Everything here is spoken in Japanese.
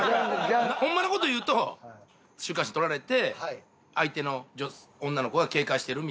ホンマの事言うと週刊誌に撮られて相手の女の子が警戒してるみたいな。